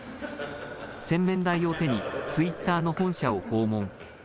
洗面台を手に、ツイッターの本社を訪問。